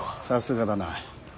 さすがだな。